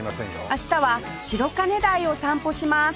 明日は白金台を散歩します